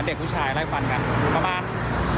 มันเด็กเวลาไล่ฟันกันประมาณ๗๘คน